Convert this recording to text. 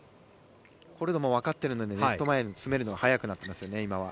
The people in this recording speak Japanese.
コルドンもわかっているのでネット前に詰めるのが早くなっていますよね、今は。